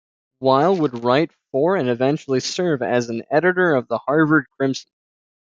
Weil would write for and eventually serve as an editor of the Harvard Crimson.